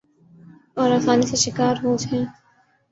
اور آسانی سے شکار ہو ج ہیں